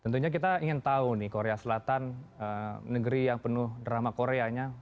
tentunya kita ingin tahu nih korea selatan negeri yang penuh drama koreanya